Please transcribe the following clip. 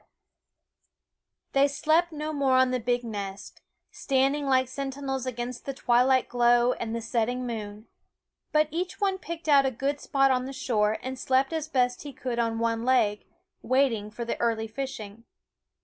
2IO Quoskh Keen Eyed W SCSfOOL OF They slept no more on the big nest, stand ing like sentinels against the twilight glow and the setting moon; but each one picked out a good spot on the shore and slept as best he could on one leg, waiting for the early fishing.